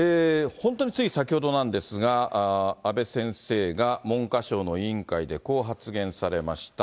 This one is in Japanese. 本当につい先ほどなんですが、阿部先生が文科省の委員会でこう発言されました。